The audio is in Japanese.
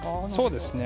そうですね。